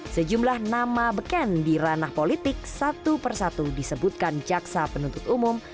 sejumlah nama beken di ranah politik satu persatu disebutkan jaksa penuntut umum